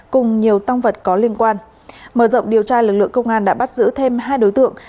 cùng nhiều tăng vật có liên quan mở rộng điều tra lực lượng công an đã bắt giữ thêm hai đối tượng